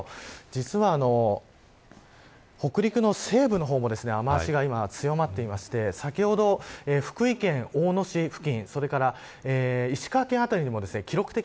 実は、北陸の西部の方も雨脚が今、強まっていまして先ほど福井県大野市付近それから石川県の辺りにも記録的